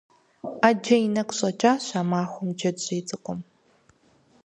Ӏэджэ и нэгу щӀэкӀащ а махуэм джэджьей цӀыкӀум.